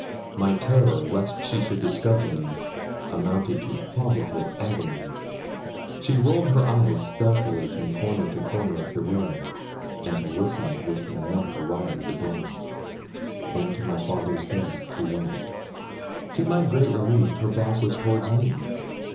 My terror lest she should discover me amounted to positive agony. She rolled her eyes stealthily from corner to corner of the room, and listened with her neck awry at the door. Then to my father's desk she went. To my great relief, her back was towards me.